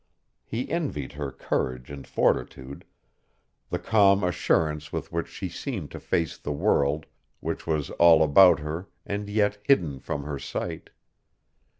He envied her courage and fortitude, the calm assurance with which she seemed to face the world which was all about her and yet hidden from her sight.